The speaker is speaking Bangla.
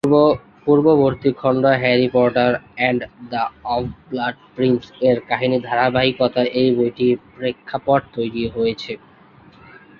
পূর্ববর্তী খন্ড "Harry Potter and the half blood prince" এর কাহিনীর ধারাবাহিকতায় এ বইটির প্রেক্ষাপট তৈরি হয়েছে।